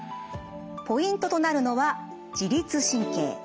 ポイントとなるのは自律神経。